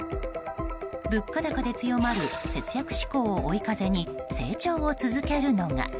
物価高で強まる節約志向を追い風に成長を続けるのが。